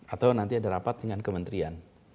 atau nanti ada rapat dengan kementerian